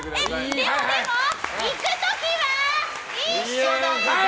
でもでもいく時は一緒だよ！